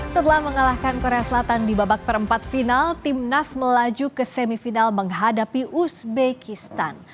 setelah mengalahkan korea selatan di babak perempat final timnas melaju ke semifinal menghadapi uzbekistan